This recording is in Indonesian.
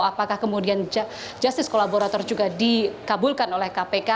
apakah kemudian justice kolaborator juga dikabulkan oleh kpk